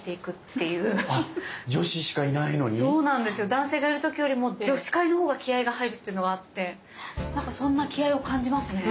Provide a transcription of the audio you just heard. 男性がいる時よりも女子会のほうが気合いが入るっていうのがあってなんかそんな気合いを感じますね。